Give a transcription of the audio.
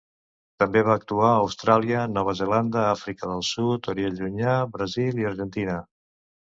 També va actuar a Austràlia, Nova Zelanda, Àfrica del Sud, Orient Llunyà, Brasil i Argentina.